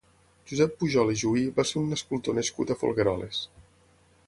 Josep Pujol i Juhí va ser un escultor nascut a Folgueroles.